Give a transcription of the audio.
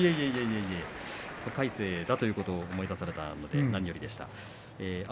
魁聖だということを思い出されたので何よりでした。